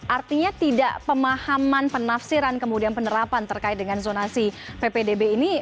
artinya tidak pemahaman penafsiran kemudian penerapan terkait dengan zonasi ppdb ini